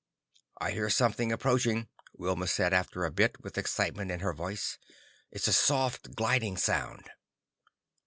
"I hear something approaching," Wilma said after a bit, with excitement in her voice. "It's a soft, gliding sound."